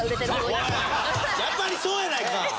やっぱりそうやないか！